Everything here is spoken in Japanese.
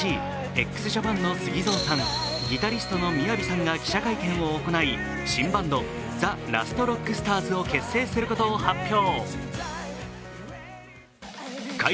ＬＵＮＡＳＥＡ、ＸＪＡＰＡＮのＳＵＧＩＺＯさんギタリストのＭＩＹＡＶＩさんが記者会見を行い、新バンド、ＴＨＥＬＡＳＴＲＯＣＫＳＴＡＲＳを結成することを発表。